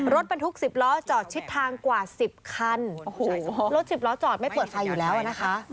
รถบรรทุก๑๐ล้อจอดชิดทางกว่า๑๐คันโอ้โหรถสิบล้อจอดไม่เปิดไฟอยู่แล้วอ่ะนะคะ